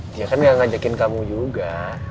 dia kan gak ngajakin kamu juga